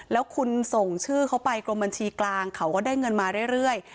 แล้วคุณส่งชื่อเขาไปกรมบัญชีกลางเขาก็ได้เงินมาเรื่อย